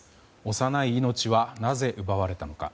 幼い命はなぜ奪われたのか。